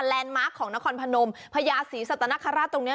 มาร์คของนครพนมพญาศรีสัตนคราชตรงนี้